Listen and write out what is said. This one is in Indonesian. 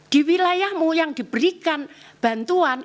di wilayahmu yang diberikan bantuan